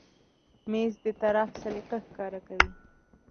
مېز د طراح سلیقه ښکاره کوي.